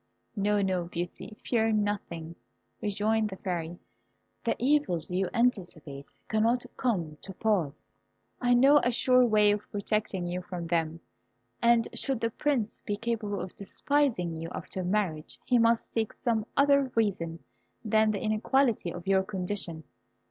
"No, no, Beauty, fear nothing," rejoined the Fairy. "The evils you anticipate cannot come to pass. I know a sure way of protecting you from them, and should the Prince be capable of despising you after marriage, he must seek some other reason than the inequality of your condition.